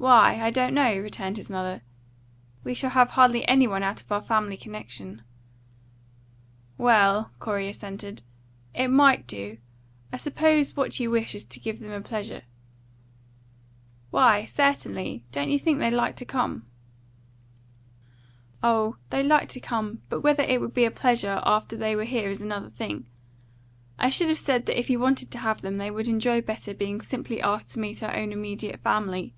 "Why, I don't know," returned his mother. "We shall have hardly any one out of our family connection." "Well," Corey assented, "it might do. I suppose what you wish is to give them a pleasure." "Why, certainly. Don't you think they'd like to come?" "Oh, they'd like to come; but whether it would be a pleasure after they were here is another thing. I should have said that if you wanted to have them, they would enjoy better being simply asked to meet our own immediate family."